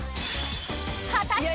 ［果たして］